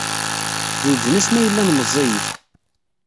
Zewjen asmi ay llan meẓẓiyit.